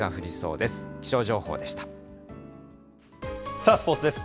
さあ、スポーツです。